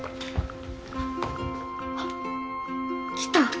あっ来た。